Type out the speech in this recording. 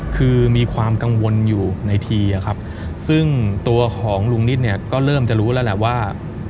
คือมีความกังวลอยู่ในทีอะครับซึ่งตัวของลุงนิดเนี่ยก็เริ่มจะรู้แล้วแหละว่า